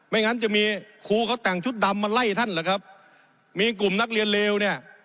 งั้นจะมีครูเขาแต่งชุดดำมาไล่ท่านเหรอครับมีกลุ่มนักเรียนเลวเนี่ย